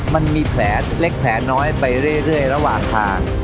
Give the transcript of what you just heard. มันมีแผลเล็กแผลน้อยไปเรื่อยระหว่างทาง